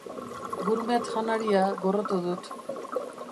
Gourmet janaria gorroto dut.